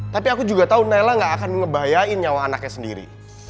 tapi aku juga tahu naila gak akan ngebayain nyawa anaknya sendiri